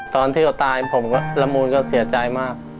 ตอนที่เขาตายผมก็ละมุนก็เสียใจมาก